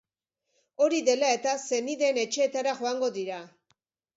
Hori dela eta, senideen etxeetara joango dira.